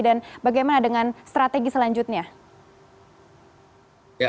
dan bagaimana dengan strategi selanjutnya